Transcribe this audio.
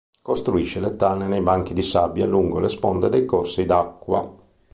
Costruisce le tane nei banchi di sabbia lungo le sponde dei corsi d'acqua.